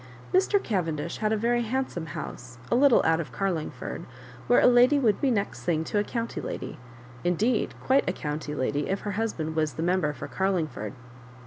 Mr. Cavendish had a very hand some house a little out of Carlingford, where a lady would be next thing to a county lady — indeed quite a county lady, if her husband was the Member for Carlingford.